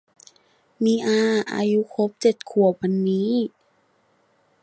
มีอาอายุครบเจ็ดขวบวันนี้